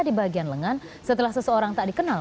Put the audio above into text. di bagian lengan setelah seseorang tak dikenal